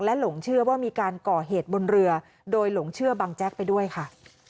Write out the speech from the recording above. หลงเชื่อว่ามีการก่อเหตุบนเรือโดยหลงเชื่อบังแจ๊กไปด้วยค่ะ